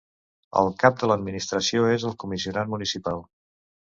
El cap de l'administració és el Comissionat Municipal.